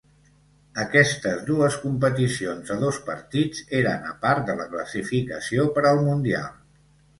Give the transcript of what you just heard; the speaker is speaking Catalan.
Aquestes dues competicions a dos partits eren a part de la classificació per al mundial.